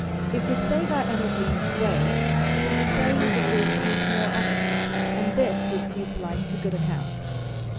If we save our enei^y in this way, it is the same as if we received more of it, and this we can utilize to good account.